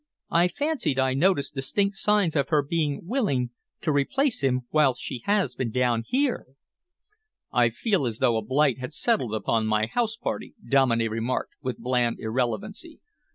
I fancied I noticed distinct signs of her being willing to replace him whilst she has been down here!" "I feel as though a blight had settled upon my house party," Dominey remarked with bland irrelevancy.